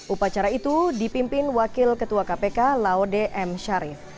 upacara itu dipimpin wakil ketua kpk laude m sharif